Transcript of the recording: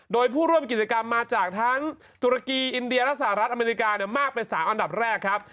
โดยผู้ร่วมกิจกรรมมาจากทั้งตุรกีอินเดียและสหรัฐอเมริกามากเป็น๓อันดับแรกครับ